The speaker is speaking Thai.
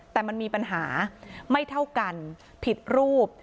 แต่มันมีปัญหาไม่เท่ากันผิดรูป